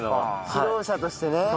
指導者としてね。